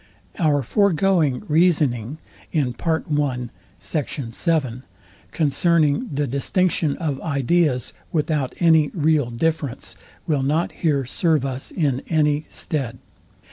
Our foregoing reasoning concerning the distinction of ideas without any real difference will not here serve us in any stead.